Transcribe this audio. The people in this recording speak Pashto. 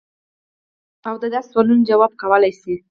او د داسې سوالونو جواب کولے شي -